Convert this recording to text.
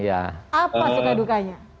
apa suka dukanya